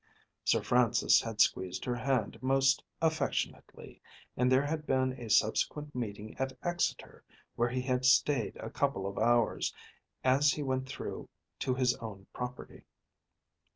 Sir Francis had squeezed her hand most affectionately, and there had been a subsequent meeting at Exeter, where he had stayed a couple of hours as he went through to his own property.